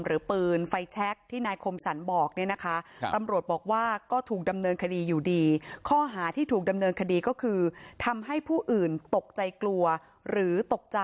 หรือปืนไฟแช็กที่นายคมสันบอกนี้นะครับ